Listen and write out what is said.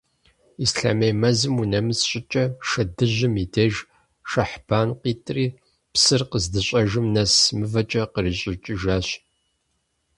Ислъэмей мэзым унэмыс щӀыкӀэ, Шэдыжьым и деж, Шэхьбан къитӀри, псыр къыздыщӀэжым нэс мывэкӀэ кърищӀыкӀыжащ.